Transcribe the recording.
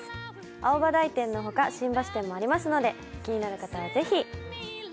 青葉台店の他、新橋店もありますので気になる方は是非。